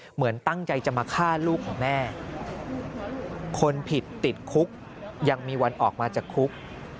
เหมือนตั้งใจจะมาฆ่าลูกของแม่คนผิดติดคุกยังมีวันออกมาจากคุก